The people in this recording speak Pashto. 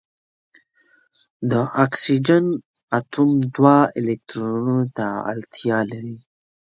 د اکسیجن اتوم دوه الکترونونو ته اړتیا لري.